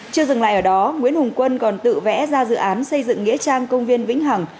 chưa dừng lại ở đó nguyễn hùng quân còn tự vẽ ra dự án xây dựng nghĩa trang công viên vĩnh hằng